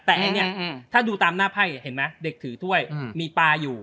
แต่อันนี้ถ้าดูตามหน้าไพ่เห็นไหมเด็กถือถ้วยมีปลาอยู่